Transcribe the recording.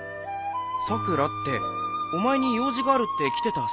さくらってお前に用事があるって来てた３年かも。